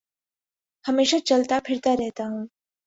ہمیشہ چلتا پھرتا رہتا ہوں